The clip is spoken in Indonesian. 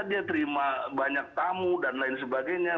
dia terima banyak tamu dan lain sebagainya